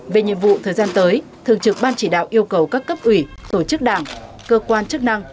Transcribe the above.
về nhiệm vụ thời gian tới thường trực ban chỉ đạo yêu cầu các cấp ủy tổ chức đảng cơ quan chức năng